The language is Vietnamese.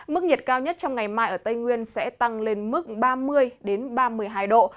mức nhiệt cao nhất trong ngày mai ở tây nguyên sẽ tăng lên mức ba mươi ba mươi hai độ